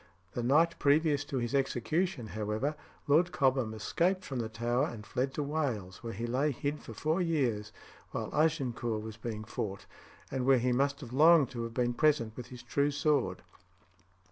The night previous to his execution, however, Lord Cobham escaped from the Tower and fled to Wales, where he lay hid for four years while Agincourt was being fought, and where he must have longed to have been present with his true sword.